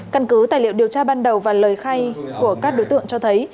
căn cứ tài liệu điều tra ban đầu và lời khai của các đối tượng cho thấy